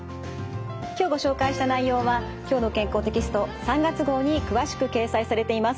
今日ご紹介した内容は「きょうの健康」テキスト３月号に詳しく掲載されています。